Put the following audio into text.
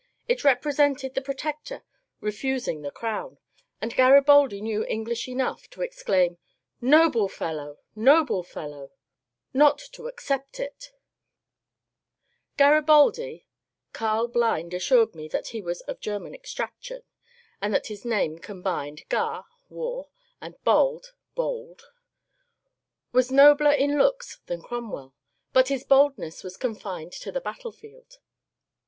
It represented the Protector refusing the crown, and Garibaldi knew English enough to exclaim, ^^ Noble fel low, noble fellow — not to accept it I " Garibaldi — Karl Blind assured me that he was of Ger man extraction, and that his name combined Gar (war) and Bald (bold) — was nobler in looks than Cromwell, but his boldness was confined to the battlefield.